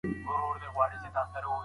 پخوا خاوندان ژر نه غصه کيدل.